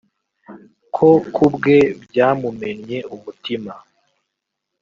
ko ku bwe byamumennye umutima